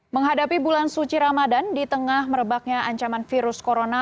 menghadapi bulan suci ramadan di tengah merebaknya ancaman virus corona